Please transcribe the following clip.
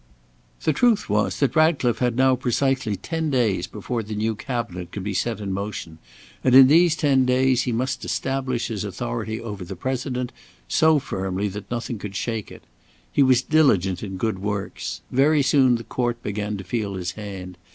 The truth was that Ratcliffe had now precisely ten days before the new Cabinet could be set in motion, and in these ten days he must establish his authority over the President so firmly that nothing could shake it. He was diligent in good works. Very soon the court began to feel his hand.